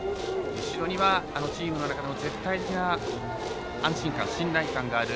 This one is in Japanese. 後ろにはチームの中で絶対的な安心感、信頼感がある。